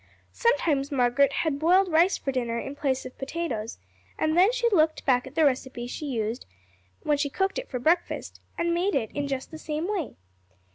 Sometimes Margaret had boiled rice for dinner in place of potatoes, and then she looked back at the recipe she used when she cooked it for breakfast, and made it in just the same way.